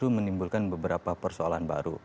menimbulkan beberapa persoalan baru